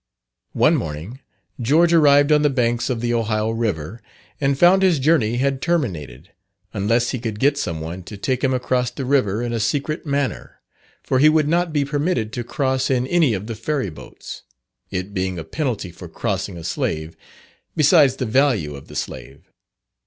One morning, George arrived on the banks of the Ohio river, and found his journey had terminated, unless he could get some one to take him across the river in a secret manner, for he would not be permitted to cross in any of the ferry boats; it being a penalty for crossing a slave, besides the value of the slave.